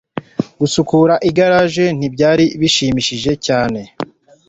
Gusukura igaraje ntibyari bishimishije cyane